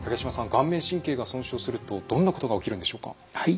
顔面神経が損傷するとどんなことが起きるんでしょうか？